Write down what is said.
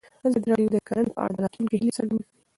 ازادي راډیو د کرهنه په اړه د راتلونکي هیلې څرګندې کړې.